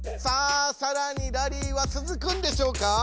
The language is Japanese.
さあさらにラリーはつづくんでしょうか？